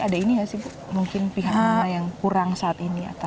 ada ini ya sih mungkin pihak mana yang kurang saat ini